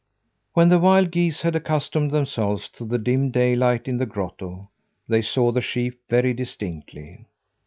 When the wild geese had accustomed themselves to the dim daylight in the grotto, they saw the sheep very distinctly.